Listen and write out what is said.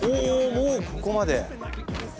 もうここまで。